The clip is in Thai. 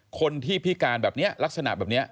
คนที่พิการแบบนี้ลักษณะแบบนี้